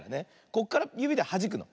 こっからゆびではじくの。